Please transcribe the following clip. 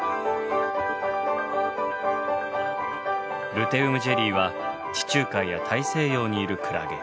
ルテウムジェリーは地中海や大西洋にいるクラゲ。